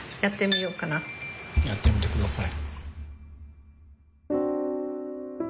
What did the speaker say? やってみて下さい。